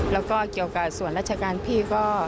แล้วก็เกี่ยวกับส่วนราชการพี่ก็